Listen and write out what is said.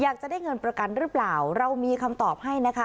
อยากจะได้เงินประกันหรือเปล่าเรามีคำตอบให้นะคะ